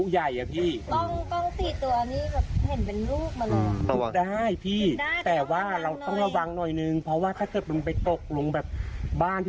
ยังไงไม่